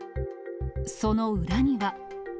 その裏には。